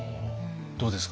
どうですか？